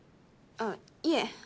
あっいえ